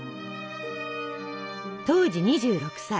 当時２６歳。